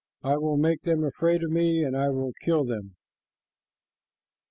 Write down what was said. I will make them afraid of me, and I will kill them."